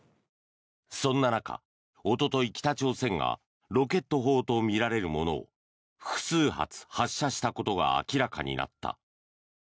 そんな中、おととい北朝鮮がロケット砲とみられるものを複数発発射したことが明らかになった。